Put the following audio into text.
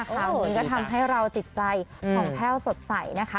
ข่าวนี้ก็ทำให้เราติดใจของแพ่วสดใสนะคะ